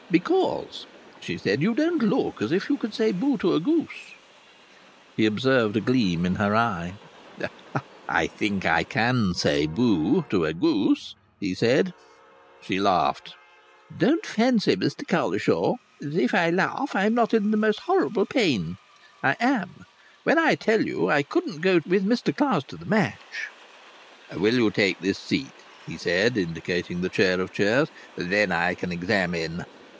"Because," she said, "you don't look as if you could say 'Bo!' to a goose." He observed a gleam in her eye. "I think I can say 'Bo!' to a goose," he said. She laughed. "Don't fancy, Mr Cowlishaw, that if I laugh I'm not in the most horrible pain. I am. When I tell you I couldn't go with Mr Clowes to the match " "Will you take this seat?" he said, indicating the chair of chairs; "then I can examine."